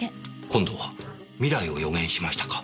今度は未来を予言しましたか。